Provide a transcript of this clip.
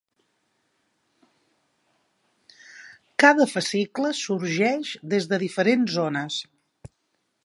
Cada fascicle sorgeix des de diferents zones.